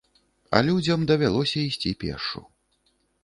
А людзям давялося ісці пешшу.